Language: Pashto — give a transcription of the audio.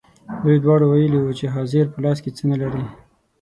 دوی دواړو ویلي وو چې حاضر په لاس کې څه نه لري.